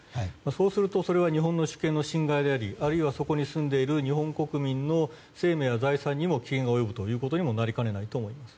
そうするとそれは日本の主権の侵害でありあるいはそこに住んでいる日本国民の生命や財産にも危険が及ぶことにもなりかねないと思います。